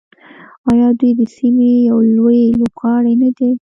آیا دوی د سیمې یو لوی لوبغاړی نه دی؟